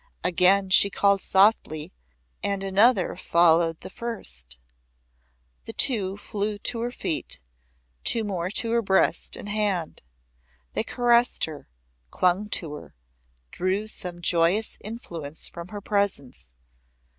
Again she called softly and another followed the first. Two flew to her feet, two more to her breast and hand. They caressed her, clung to her, drew some joyous influence from her presence.